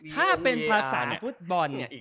ถ้าเป็นภาษาฟุตบอล